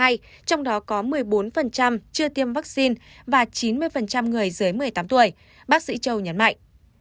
trong đó có một mươi bốn chưa tiêm vaccine và chín mươi người dưới một mươi tám tuổi bác sĩ châu nhấn mạnh